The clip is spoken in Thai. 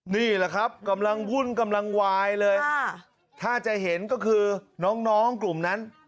นี่แหละครับกำลังวุ่นกำลังวายเลยถ้าจะเห็นก็คือน้องกลุ่มนั้น